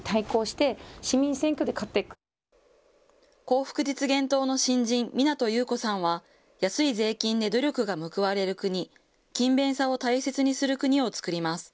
幸福実現党の新人、湊侑子さんは、安い税金で努力が報われる国、勤勉さを大切にする国をつくります。